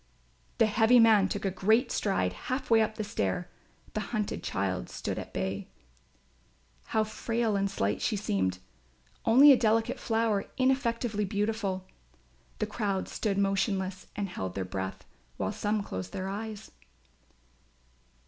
The heavy man took a great stride half way up the stair. The hunted child stood at bay. How frail and slight she seemed; only a delicate flower ineffectively beautiful. The crowd stood motionless and held their breath, while some closed their eyes.